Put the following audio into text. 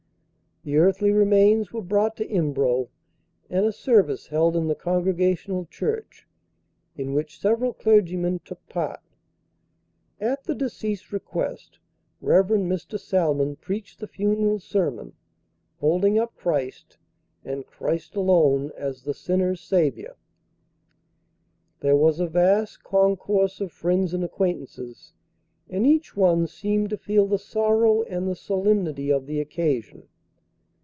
The earthly remains were brought to Embro, and a service held in the Congregational church, in which several clergymen took part. At the deceased's request, Rev. Mr. Salmon preached the funeral sermon, holding up Christ, and Christ alone, as the sinner's Saviour. There was a vast concourse of friends and acquaintances, and each one seemed to feel the sorrow and the solemnity of the occasion.